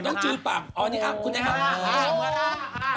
รอยน้องจื้อปากอันนี้ครับคุณให้ความ